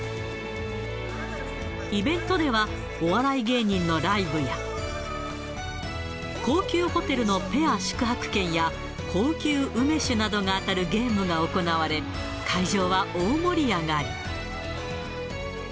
イベントでは、お笑い芸人のライブや、高級ホテルのペア宿泊券や高級梅酒などが当たるゲームが行われ、会場は大盛り上がり。